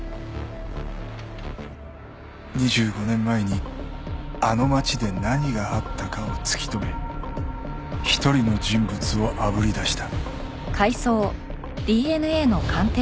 ２５年前にあの街で何があったかを突き止め一人の人物をあぶり出した。